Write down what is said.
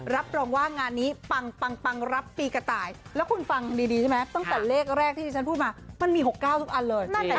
รับรองว่างานนี้ปังรับปีกระต่ายแล้วคุณฟังดีใช่ไหมตั้งแต่เลขแรกที่ที่ฉันพูดมามันมี๖๙ทุกอันเลย